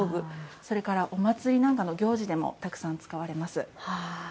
それからお祭りなんかの行事でもたくさん使われます。